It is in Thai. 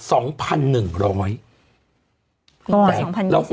อีกประมาณออกเมื่ออยู่แล้วละเนอะ